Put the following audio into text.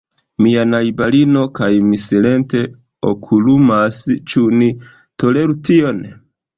Mia najbarino kaj mi silente okulumas: ĉu ni toleru tion?